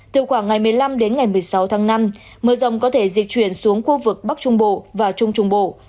từ khoảng ngày một mươi năm đến ngày một mươi sáu tháng năm mưa rồng có thể di chuyển xuống khu vực bắc trung bộ và trung trung bộ